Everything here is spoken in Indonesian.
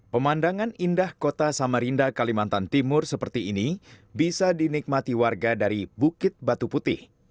pemandangan indah kota samarinda kalimantan timur seperti ini bisa dinikmati warga dari bukit batu putih